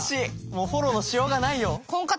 もうフォローのしようがないよ。